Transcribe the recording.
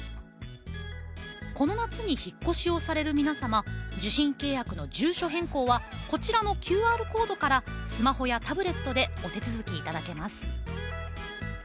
この夏に引っ越しをされる皆様受信契約の住所変更はこちらのＱＲコードからスマホやタブレットでお手続きいただけます。